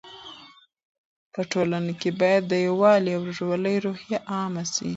په ټولنه کې باید د یووالي او ورورولۍ روحیه عامه سي.